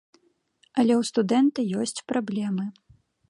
Але ў студэнта ёсць праблемы.